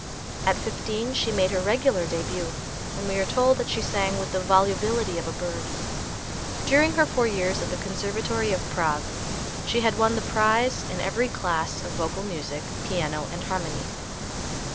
At fifteen she made her regular début, and we are told that she sang "with the volubility of a bird." During her four years at the Conservatory of Prague she had won the prize in every class of vocal music, piano and harmony.